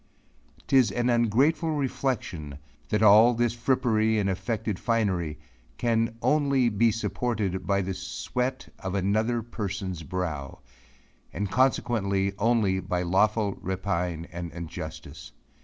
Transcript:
Tis an ungrateful reflexion that all this frippery and effected finery, can only he supported by the sweat of another person's brow, and consequently only by lawful rapine and injustice.